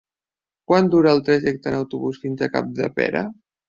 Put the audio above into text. Quant dura el trajecte en autobús fins a Capdepera?